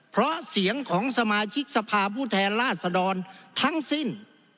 เพราะเสียงของสมาชิกสภาพผู้แทนราชดรทั้งสิ้น